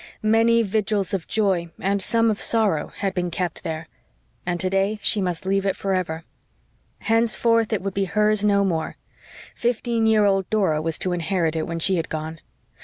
Many vigils of joy and some of sorrow had been kept there; and today she must leave it forever. Henceforth it would be hers no more; fifteen year old Dora was to inherit it when she had gone.